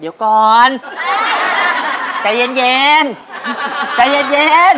เดี๋ยวก่อนใจเย็นเย็นใจเย็นเย็น